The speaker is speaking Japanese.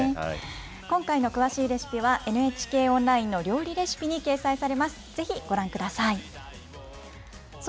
今回の詳しいレシピは、ＮＨＫオンラインの料理レシピに掲載されます。